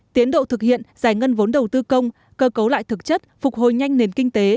tiến độ thực hiện giải ngân vốn đầu tư công cơ cấu lại thực chất phục hồi nhanh nền kinh tế